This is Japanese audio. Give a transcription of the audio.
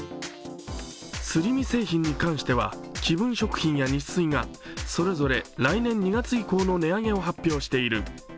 すり身製品に関しては、紀文食品やニッスイがそれぞれ来年２月以降の値上げを発表している。